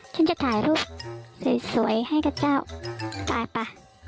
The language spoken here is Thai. ฉันจะถ่ายรูปสวยให้กับเจ้าตายไป